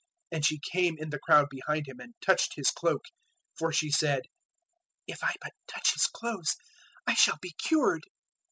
And she came in the crowd behind Him and touched His cloak; 005:028 for she said, "If I but touch His clothes, I shall be cured."